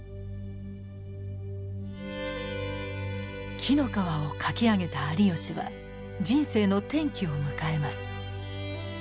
「紀ノ川」を書き上げた有吉は人生の転機を迎えます。